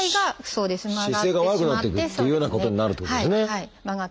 姿勢が悪くなってくるというようなことになるってことですね。